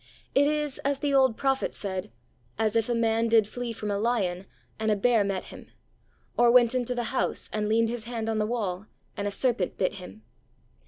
It is, as the old prophet said, 'as if a man did flee from a lion, and a bear met him; or went into the house, and leaned his hand on the wall, and a serpent bit him.'